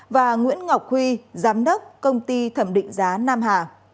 và nguyễn ngọc huy giám đốc công ty thẩm định giá nam hà